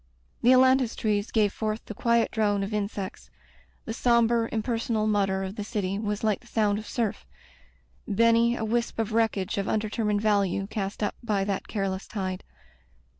The ailantus trees gave forth the quiet drone of insects; the sombre, impersonal mutter of the city was like the sound of surf: Benny, a wisp of wreckage of undetermined value cast up by that careless tide.